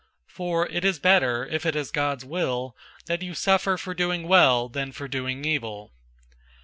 003:017 For it is better, if it is God's will, that you suffer for doing well than for doing evil.